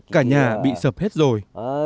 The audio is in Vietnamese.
cả nhà bị sập hết rồi